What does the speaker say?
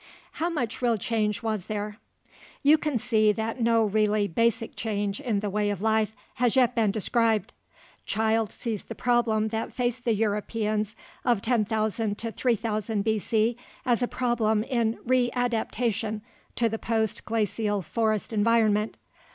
HOW MUCH REAL CHANGE WAS THERE? You can see that no really basic change in the way of life has yet been described. Childe sees the problem that faced the Europeans of 10,000 to 3000 B.C. as a problem in readaptation to the post glacial forest environment.